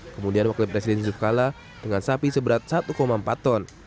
kemudian wakil presiden yusuf kala dengan sapi seberat satu empat ton